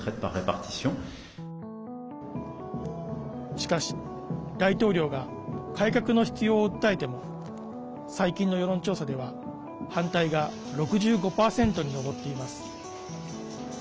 しかし、大統領が改革の必要を訴えても最近の世論調査では反対が６５％に上っています。